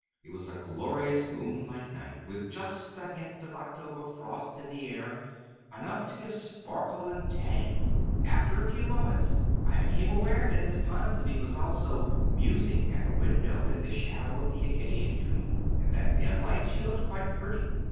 It was a glorious moonlight night, with just a hint of October frost in the air enough to give sparkle and tang. After a few moments I became aware that Miss Ponsonby was also "musing" at her window in the shadow of the acacia tree. In that dim light she looked quite pretty.